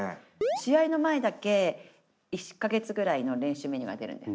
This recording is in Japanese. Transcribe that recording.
試合の前だけ１か月ぐらいの練習メニューが出るんです。